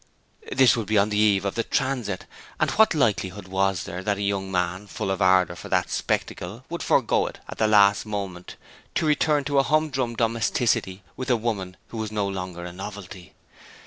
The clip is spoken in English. This would be on the eve of the Transit; and what likelihood was there that a young man, full of ardour for that spectacle, would forego it at the last moment to return to a humdrum domesticity with a woman who was no longer a novelty?